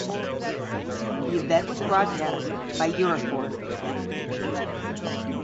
The event was broadcast by Eurosport.